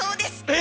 え